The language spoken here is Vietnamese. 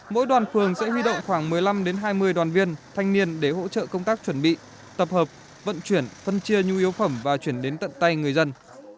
mỗi đoàn phường sẽ huy động khoảng một mươi năm hai mươi đoàn viên thanh niên để hỗ trợ công tác chuẩn bị tập hợp vận chuyển phân chia nhu yếu phẩm và chuyển đến tận tay người dân